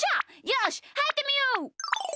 よしはいってみよう。